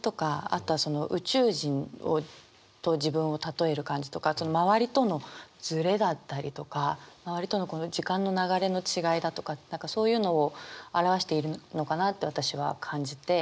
あとはその宇宙人と自分を例える感じとか周りとのズレだったりとか周りとの時間の流れの違いだとか何かそういうのを表しているのかなって私は感じて。